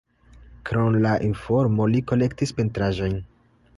Krom la informo li kolektis pentraĵojn.